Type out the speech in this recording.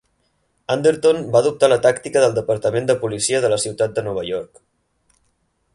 Anderton va adoptar la tàctica del departament de policia de la ciutat de Nova York.